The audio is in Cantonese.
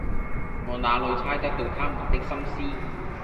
我那裏猜得到他們的心思，